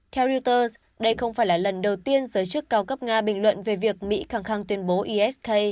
theo reuters đây không phải là lần đầu tiên giới chức cao cấp nga bình luận về việc mỹ khẳng khang tuyên bố esk